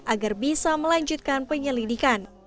agar bisa melanjutkan penyelidikan